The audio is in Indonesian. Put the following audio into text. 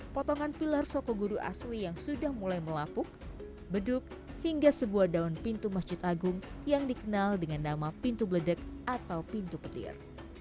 potongan pilar sokoguru asli yang sudah mulai melapuk beduk hingga sebuah daun pintu masjid agung yang dikenal dengan nama pintu bledek atau pintu petir